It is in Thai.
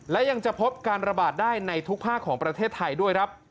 และยังจะพบการระบาดได้ในทุกภาคของประเทศไทยด้วยครับ